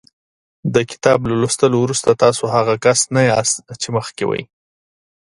د کتاب له لوستلو وروسته تاسو هغه کس نه یاست چې مخکې وئ.